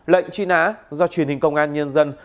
lệnh truy nã do truyền hình công an nhân dân